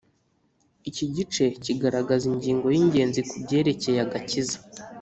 iki gice kigaragaza ingingo y'ingenzi kubyerekeye agakiza